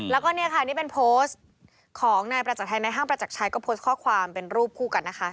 แล้วก็เนี่ยค่ะนี่เป็นโพสต์ของนายประจักรชัยในห้างประจักรชัยก็โพสต์ข้อความเป็นรูปคู่กันนะคะ